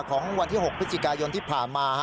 ของวันที่๖พฤศจิกายนที่ผ่านมา